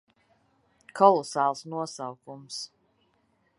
Kolosāls nosaukums.